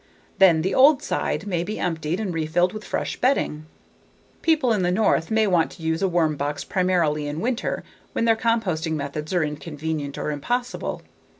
Then the "old" side may be emptied and refilled with fresh bedding. People in the North may want to use a worm box primarily in winter when other composting methods are inconvenient or impossible.